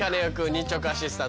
日直アシスタント